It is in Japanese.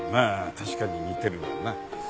確かに似てるわな。